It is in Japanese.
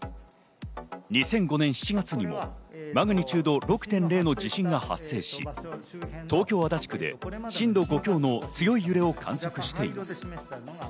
２００５年７月にもマグニチュード６．０の地震が発生し、東京・足立区で震度５強の強い揺れを観測しています。